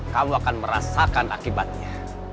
kamu akan merasakan akibatnya